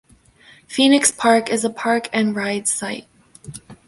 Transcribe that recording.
Phoenix Park is a Park and Ride site.